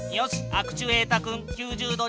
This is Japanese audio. アクチュエータ君９０度になった。